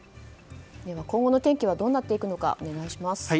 今後の天気はどうなっていくのかお願いします。